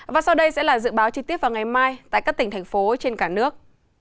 và sau đây sẽ là dự báo chi tiết vào ngày mai tại các tỉnh thành phố trên cả nước